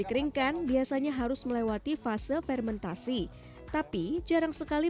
dikeringkan biasanya harus melewati fase fermentasi tapi jarang sekali